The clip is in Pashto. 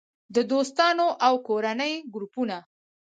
- د دوستانو او کورنۍ ګروپونه